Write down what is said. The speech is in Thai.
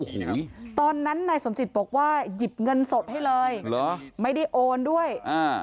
โอ้โหตอนนั้นนายสมจิตบอกว่าหยิบเงินสดให้เลยเหรอไม่ได้โอนด้วยอ่า